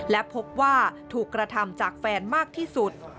และพบว่าถูกกระทำจากแฟนมากที่สุด